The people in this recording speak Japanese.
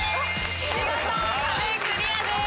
見事壁クリアです。